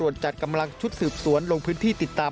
ส่วนจัดกำลังชุดสืบสวนลงพื้นที่ติดตาม